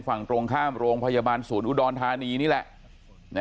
ฝั่งตรงข้ามโรงพยาบาลศูนย์อุดรธานีนี่แหละ